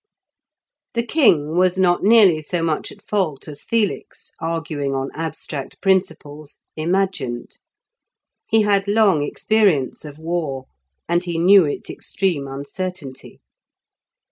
The king was not nearly so much at fault as Felix, arguing on abstract principles, imagined. He had long experience of war, and he knew its extreme uncertainty.